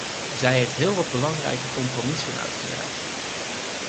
Zij heeft heel wat belangrijke compromissen uitgewerkt.